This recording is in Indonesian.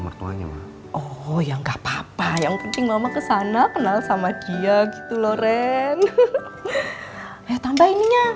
mertuanya oh ya enggak papa yang penting mama kesana kenal sama dia gitu loren ya tambah ininya